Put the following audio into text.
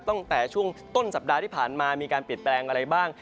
ตั้งแต่ช่วงต้นสัปดาห์ที่ผ่านมามีการเปลี่ยนแปลงอะไรบ้าง